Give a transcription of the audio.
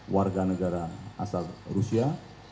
warga negara asal rusia